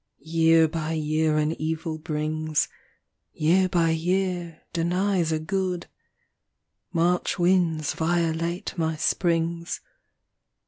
Tear by year an evil brings, Year by year denies a good ; March winds violate my springs.